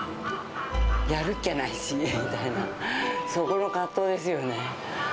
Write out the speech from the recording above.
やるっきゃないしねみたいな、そこの葛藤ですよね。